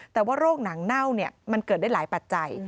แต่ว่าโรคหนังเน่ามันเกิดได้หลายปัจจัย